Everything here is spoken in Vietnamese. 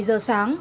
bảy giờ sáng